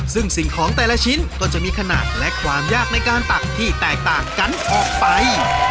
ซึ่งสิ่งของแต่ละชิ้นก็จะมีขนาดและความยากในการตักที่แตกต่างกันออกไป